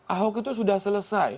ahok itu sudah selesai